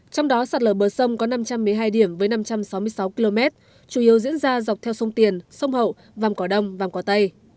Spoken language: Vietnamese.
trong đó sạt lở bờ sông có năm trăm một mươi hai điểm với năm trăm sáu mươi sáu km chủ yếu diễn ra dọc theo sông tiền sông hậu vàm cỏ đông vàm cỏ tây